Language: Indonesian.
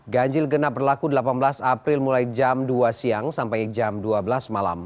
ganjil genap berlaku delapan belas april mulai jam dua siang sampai jam dua belas malam